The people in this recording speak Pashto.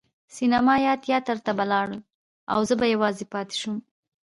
سینما او یا تیاتر ته به لاړل او زه به یوازې پاتې شوم.